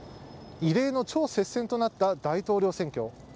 異例の超接戦となった大統領選挙。